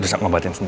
gua ada kelabutetang